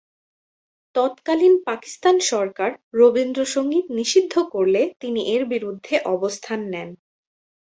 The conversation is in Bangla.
তৎকালীন পাকিস্তান সরকার রবীন্দ্রসঙ্গীত নিষিদ্ধ করলে তিনি এর বিরুদ্ধে অবস্থান নেন।